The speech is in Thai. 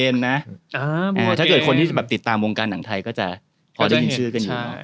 ถ้าเกิดคนที่จะติดตามวงการหนังไทยก็จะพอจะมีชื่อกันอยู่